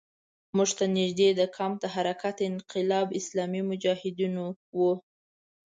موږ ته نږدې کمپ د حرکت انقلاب اسلامي مجاهدینو وو.